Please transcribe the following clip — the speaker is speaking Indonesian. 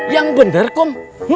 yang bener kum